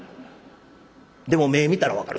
でも目ぇ見たら分かる。